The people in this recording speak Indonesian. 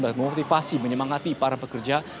dan memotivasi menyemangati para pekerja